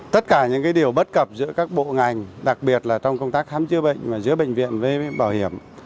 tất cả những điều bất cập giữa các bộ ngành đặc biệt là trong công tác khám chữa bệnh giữa bệnh viện với bảo hiểm